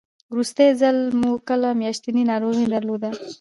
وروستی ځل مو کله میاشتنۍ ناروغي درلوده؟